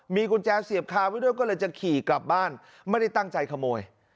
มีกุญแจเสียบคาไว้ด้วยก็เลยจะขี่กลับบ้านไม่ได้ตั้งใจขโมย